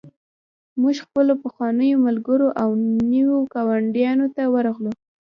موږ خپلو پخوانیو ملګرو او نویو ګاونډیانو ته ورغلو